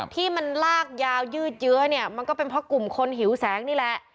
ที่มันลากยาวยืดเยอะเนี่ยมันก็เป็นเพราะกลุ่มคนหิวแสงนี่แหละ